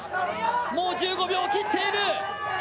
もう１５秒を切っている。